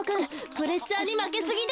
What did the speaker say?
プレッシャーにまけすぎです。